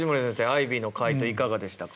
アイビーの回答いかがでしたか？